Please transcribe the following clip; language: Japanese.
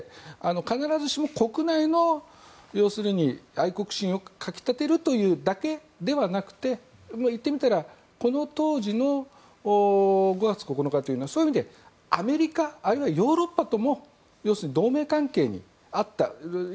必ずしも国内の要するに愛国心をかき立てるというだけではなくて言ってみたら、この当時の５月９日というのはそういう意味で、アメリカあるいはヨーロッパとの同盟関係にあった。